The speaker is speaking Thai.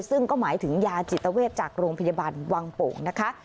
ซึ่งก็หมายถึงยาจิตเวทจากโรงพยาบาลวังโป่งนะคะ